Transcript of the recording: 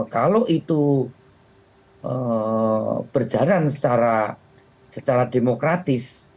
kalau itu berjalan secara demokratis